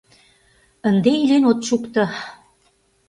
Ынде илен от шукто.